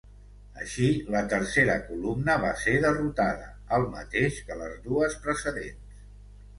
Així, la tercera columna va ser derrotada el mateix que les dues precedents.